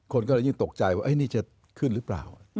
คนก็เรื่อยตกใจเกิดขึ้นหรือเปล่า